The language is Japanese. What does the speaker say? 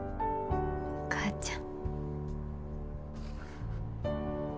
お母ちゃん。